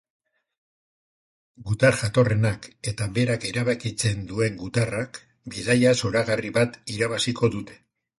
Gutar jatorrenak eta berak erabakitzen duen gutarrak bidaia zoragarri bat irabaziko dute.